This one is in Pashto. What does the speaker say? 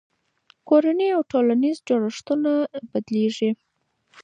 کورنۍ او ټولنیز جوړښتونه بدلېږي.